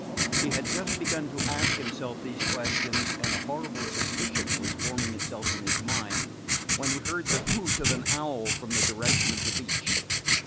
He had just begun to ask himself these questions, and a horrible suspicion was forming itself in his mind, when he heard the hoot of an owl from the direction of the beach.